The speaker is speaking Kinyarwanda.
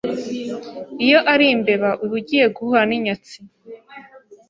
iyo ari imbeba uba ugiye guhura n’inyatsi